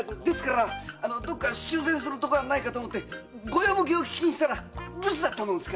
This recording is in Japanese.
どこか修繕するところはないかと思って御用向きを聞きに来たら留守だったもので。